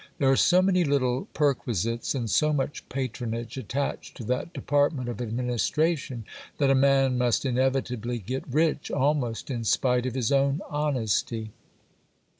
There are so many little perquisites and so much patronage attached to that department of administration, that a man must inevitably get rich, almost in spite of his own honesty.